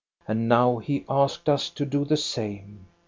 And now he asked us to do the same.